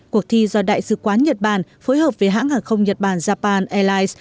cuộc thi do đại sứ quán nhật bản phối hợp với hãng hàng không nhật bản japan airlines